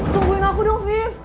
tungguin aku dong afif